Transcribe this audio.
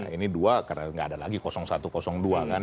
ini dua karena nggak ada lagi satu dua kan